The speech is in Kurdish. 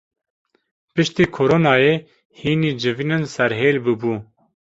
Piştî koronayê hînî civînên serhêl bûbû.